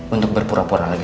untuk berpura pura lagi